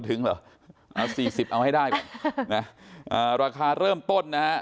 เหรอเอาสี่สิบเอาให้ได้ก่อนนะอ่าราคาเริ่มต้นนะฮะ